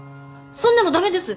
そんなの駄目です！